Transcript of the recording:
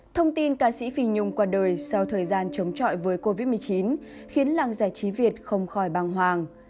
thông tin ca sĩ phi nhung qua đời sau thời gian chống chọi với covid một mươi chín khiến làng giải trí việt không khỏi băng hoàng